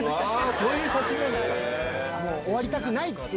そういう写真なんですか。